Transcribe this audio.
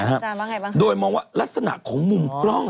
อาจารย์ว่าอย่างไรบ้างครับโดยมองว่ารักษณะของวงจร่อง